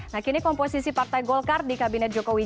nah kini komposisi partai golkar di kabinet jokowi